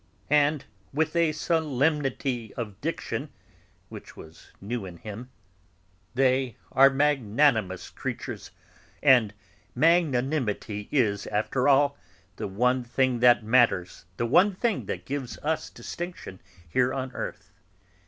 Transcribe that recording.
And, with a solemnity of diction which was new in him: "They are magnanimous creatures, and magnanimity is, after all, the one thing that matters, the one thing that gives us distinction here on earth.